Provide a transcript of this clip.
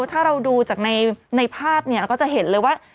ถ้าเราดูจากในภาพเราก็จะเห็นเลยว่า